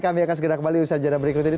kami akan segera kembali usaha jarak berikutnya